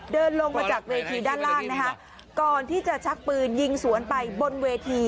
เดินลงมาจากเวทีด้านล่างนะคะก่อนที่จะชักปืนยิงสวนไปบนเวที